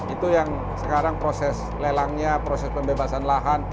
itu yang sekarang proses lelangnya proses pembebasan lahan